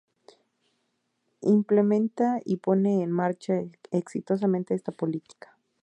Implementa y pone en marcha exitosamente esta política.